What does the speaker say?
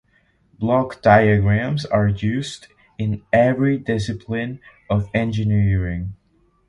Block diagrams are used in every discipline of engineering.